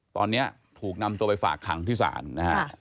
ตอนนี้ถูกนำตัวไปฝากขังที่ศาลนะฮะ